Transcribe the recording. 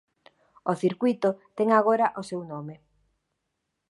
O circuíto ten agora o seu nome.